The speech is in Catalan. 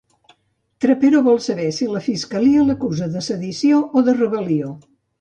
Trapero vol saber si la fiscalia l'acusa de sedició o de rebel·lió.